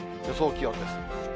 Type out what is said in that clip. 予想気温です。